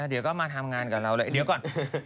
เดี๋ยวก็มาทำงานกับเราเลยเดี๋ยวก่อน